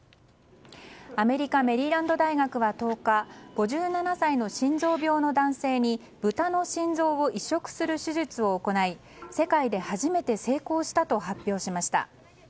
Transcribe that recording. アメリカメリーランド大学は１０日５７歳の心臓病の男性に豚の心臓を移植する手術を行い世界で初めて成功したと発表しました。